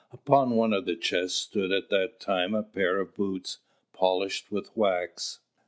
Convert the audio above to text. Upon one of the chests stood at that time a pair of boots, polished with wax.